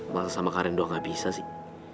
malah sama karin doang gak bisa sih